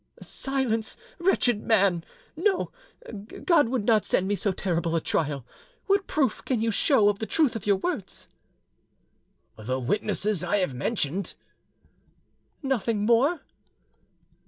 "Silence, wretched man!... No, God would not send me so terrible a trial. What proof can you show of the truth of your words?" "The witnesses I have mentioned." "Nothing more?"